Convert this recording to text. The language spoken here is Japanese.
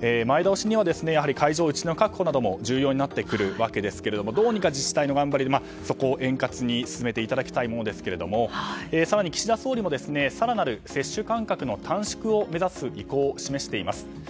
前倒しにはやはり会場などの確保も重要になってくるわけですがどうにか自治体の頑張りでそこを円滑に進めてもらいたいものですが更に岸田総理も更なる接種間隔の短縮を目指す意向を示しています。